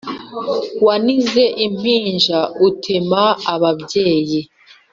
Wanize impinja utema ababyeyi